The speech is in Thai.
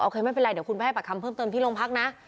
ไม่เป็นไรเดี๋ยวคุณไปให้ปากคำเพิ่มเติมที่โรงพักนะ